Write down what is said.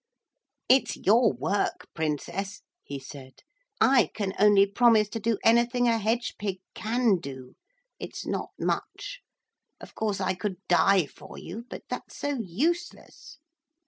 'It's your work, Princess,' he said. 'I can only promise to do anything a hedge pig can do. It's not much. Of course I could die for you, but that's so useless.'